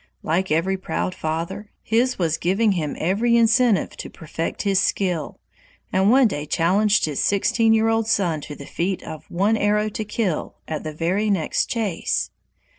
Like every proud father, his was giving him every incentive to perfect his skill, and one day challenged his sixteen year old son to the feat of "one arrow to kill" at the very next chase.